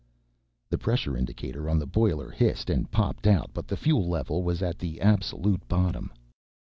The pressure indicator on the boiler hissed and popped out, but the fuel level was at the absolute bottom.